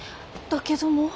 だけどもう。